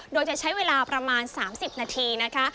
โดยจะใช้เวลาประมาณ๓๐นาทีนะคะ